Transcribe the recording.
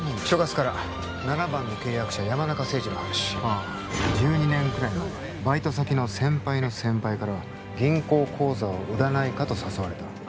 所轄から７番の契約者山中誠二の話１２年くらい前バイト先の先輩の先輩から銀行口座を売らないかと誘われた